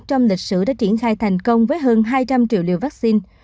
trong lịch sử đã triển khai thành công với hơn hai trăm linh triệu liều vaccine